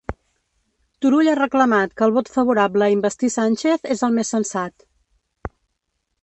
Turull ha reclamat que el vot favorable a investir Sánchez és el més sensat